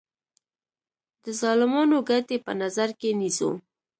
د ظالمانو ګټې په نظر کې نیسو.